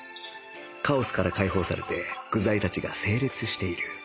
カオスから解放されて具材たちが整列している